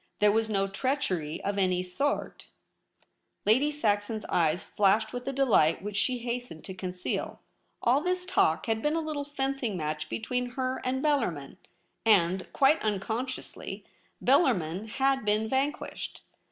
There was no treachery of any sort.' Lady Saxon's eyes flashed with a delight which she hastened to conceal. All this talk had been a little fencing match between her and Bellarmin, and, quite unconsciously, Bel larmin had been vanquished.